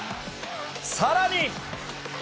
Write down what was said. さらに。